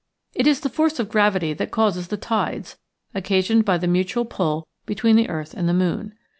It is the force of gravity that causes the tides, occasioned by the mutual pull between the earth and the moon.